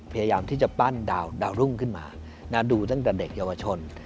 พยายามที่จะปั้นดาวรุ่งขึ้นมาดูตั้งแต่เด็กเยาวชน